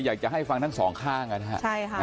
อยากจะให้ฟังทั้งสองข้างนะครับ